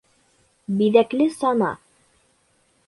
БИҘӘКЛЕ САНА